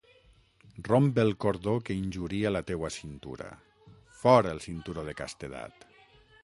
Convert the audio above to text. Romp el cordó que injuria la teua cintura! Fora el cinturó de castedat!